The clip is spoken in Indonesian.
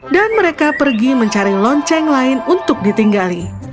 mereka pergi mencari lonceng lain untuk ditinggali